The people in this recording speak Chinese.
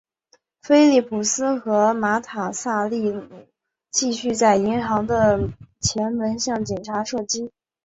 菲利普斯和马塔萨利努继续在银行的前门向警察射击。